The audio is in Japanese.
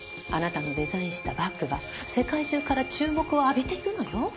あなたのデザインしたバッグが世界中から注目を浴びているのよ。